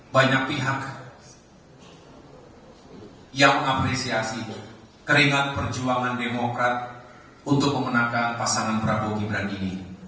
banyak pihak yang mengapresiasi keringat perjuangan demokrat untuk memenangkan pasangan prabowo gibran ini